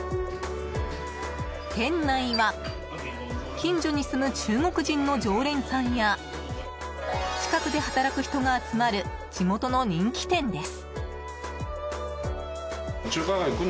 店内は、近所に住む中国人の常連さんや近くで働く人が集まる地元の人気店です。